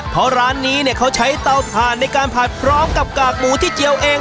เพราะร้านนี้เนี่ยเขาใช้เตาถ่านในการผัดพร้อมกับกากหมูที่เจียวเอง